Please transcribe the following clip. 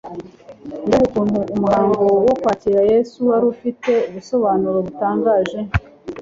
Mbega ukuntu umuhango wo kwakiriza Yesu wari ufite ubusobanuro butangaje